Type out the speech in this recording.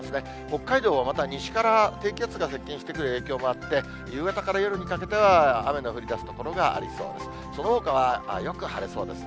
北海道はまた西から低気圧が接近してくる影響もあって、夕方から夜にかけては雨の降りだす所がありそうです。